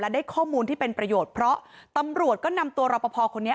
ได้ข้อมูลที่เป็นประโยชน์เพราะตำรวจก็นำตัวรอปภคนนี้